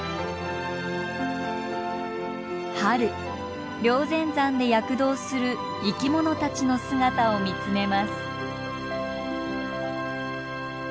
春霊仙山で躍動する生きものたちの姿を見つめます。